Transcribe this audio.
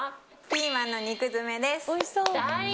ピーマンの肉詰めです。